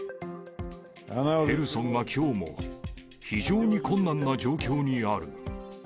ヘルソンはきょうも、非常に困難な状況にある。